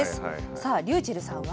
さあｒｙｕｃｈｅｌｌさんは？